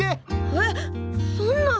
えっそんな！？